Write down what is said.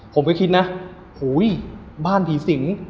ผมก็คิดนะอุ้ยบ้านผีสิง